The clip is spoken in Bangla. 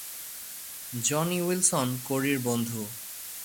জনি উইলসন কোরির বন্ধু।